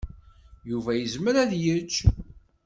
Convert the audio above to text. Yuba yezmer ad yečč?